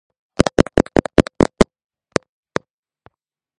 აზერბაიჯანის მთავრობა მიიჩნევს, რომ ლაჩინი არის ლაჩინის რაიონის რეგიონალური ცენტრი.